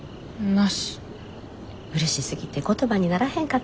うれしすぎて言葉にならへんかったかな。